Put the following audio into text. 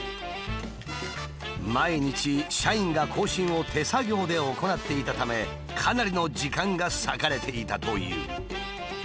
毎日社員が更新を手作業で行っていたためかなりの時間が割かれていたという。